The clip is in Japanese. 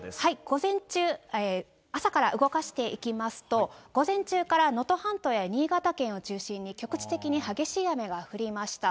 午前中、朝から動かしていきますと、午前中から能登半島や新潟県を中心に、局地的に激しい雨が降りました。